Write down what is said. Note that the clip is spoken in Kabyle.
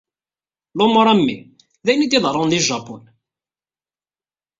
Lumuṛ am wi, d ayen i d-iḍerrun deg Japun.